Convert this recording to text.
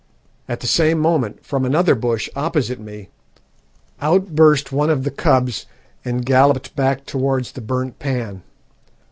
At the same moment, from another bush opposite me out burst one of the cubs and galloped back towards the burnt pan.